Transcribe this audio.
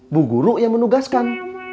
bu guru yang menugaskan